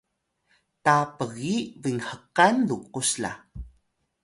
ta pgiy binhqan lukus la